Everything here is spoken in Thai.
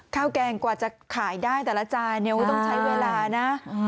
แกงกว่าจะขายได้แต่ละจานต้องใช้เวลานะ